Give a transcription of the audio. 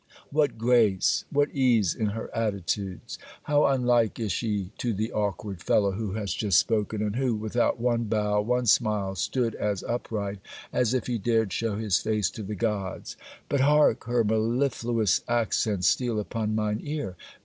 What grace, what ease in her attitudes? How unlike is she to the awkward fellow who has just spoken, and who, without one bow, one smile, stood as upright as if he dared show his face to the gods. But hark her mellifluous accents steal upon mine ear.